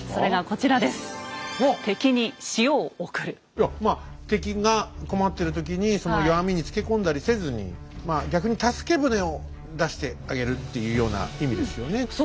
いやまあ敵が困ってる時にその弱みにつけ込んだりせずに逆に助け船を出してあげるっていうような意味ですよね。